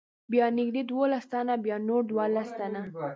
بیا نږدې دولس تنه، بیا نور دولس تنه.